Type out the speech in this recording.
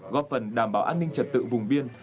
góp phần đảm bảo an ninh trật tự vùng biên